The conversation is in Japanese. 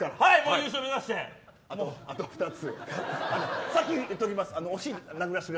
優勝目指して、僕あと２つ。